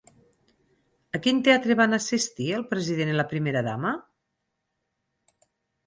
A quin teatre van assistir el president i la primera dama?